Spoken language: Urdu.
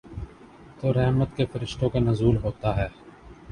تو رحمت کے فرشتوں کا نزول ہوتا ہے۔